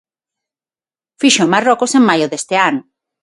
Fíxoo Marrocos en maio deste ano.